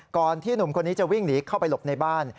ก่อนที่หนุ่มคนนี้จะวิ่งหนีเข้าไปหลบในบ้าน